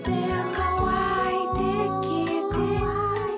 「かわいてきえて」